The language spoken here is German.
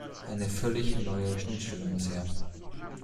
Eine völlig neue Schnittstelle muss her.